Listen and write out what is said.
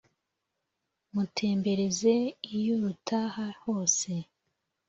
mutembereze iyo rutaha hose